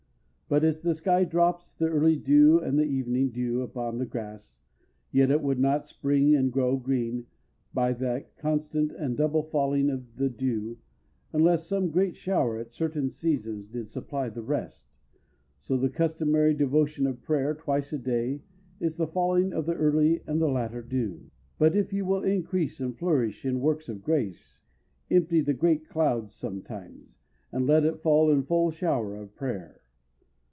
But as the sky drops the early dew and the evening dew upon the grass, yet it would not spring and grow green by that constant and double falling of the dew, unless some great shower at certain seasons did supply the rest, so the customary devotion of prayer twice a day is the falling of the early and the latter dew. But if you will increase and flourish in works of grace, empty the great clouds sometimes, and let fall in a full shower of prayer.